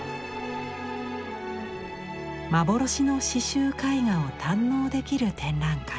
幻の刺繍絵画を堪能できる展覧会。